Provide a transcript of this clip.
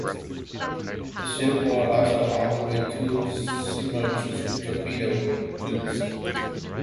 The ships were also armed with two submerged torpedo tubes.